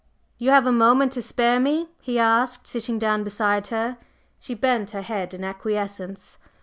"You have a moment to spare me?" he asked, sitting down beside her. She bent her head in acquiescence.